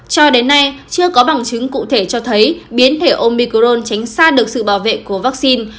cho đến nay chưa có bằng chứng cụ thể cho thấy biến thể omicron tránh xa được sự bảo vệ của vaccine